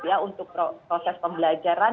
ya untuk proses pembelajaran